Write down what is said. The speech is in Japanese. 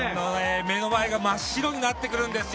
目の前が真っ白になってくるんです。